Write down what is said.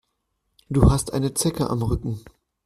Du hast eine Zecke am Rücken.